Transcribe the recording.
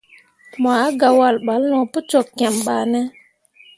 Mo ah gah wahl balle no pu cok kiem bah ne.